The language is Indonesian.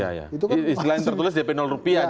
ya ya isi lain tertulis dp rupiah